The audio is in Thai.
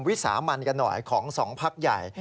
วิสามันกันหน่อยของสองพักใหญ่